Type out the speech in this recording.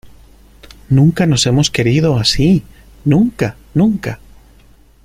¡ nunca nos hemos querido así! ¡ nunca !¡ nunca !...